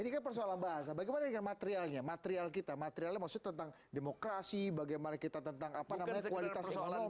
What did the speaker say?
ini kan persoalan bahasa bagaimana dengan materialnya material kita materialnya maksudnya tentang demokrasi bagaimana kita tentang apa namanya kualitas umum